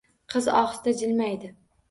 Qiz ohista jilmaydi